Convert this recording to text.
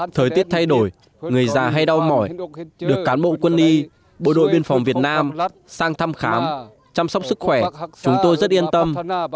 thời tiết thay đổi người già hay đau mỏi được cán bộ quân y bộ đội biên phòng việt nam sang thăm khám chăm sóc sức khỏe chúng tôi rất yên tâm